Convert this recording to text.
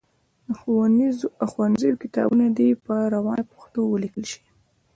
د ښوونځیو کتابونه دي په روانه پښتو ولیکل سي.